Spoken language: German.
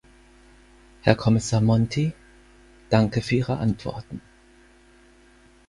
Herr Kommissar Monti, danke für Ihre Antworten.